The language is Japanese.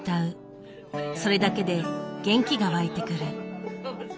それだけで元気が湧いてくる。